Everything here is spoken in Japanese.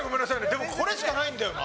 でもこれしかないんだよな。